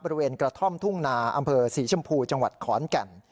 บริเวณกระท่อมทุ่งนาอำเภอศรีชมพูจังหวัดขอนแก่น